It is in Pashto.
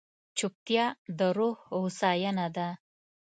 چپتیا، د روح هوساینه ده.